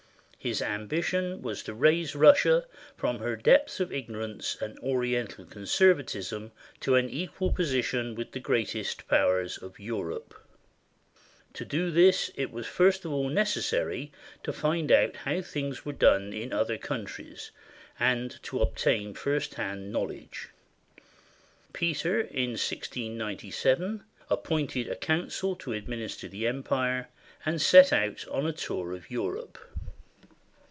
His ambition was to raise Russia from her depths of ignorance and Oriental conservatism to an equal position with the great est Powers of Europe. To do this it was first of all necessary to find out how things were done in other countries, and to ob tain first hand knowledge. Peter, in 1697, appointed a coun cil to administer the empire, and set out on a tour of Europe.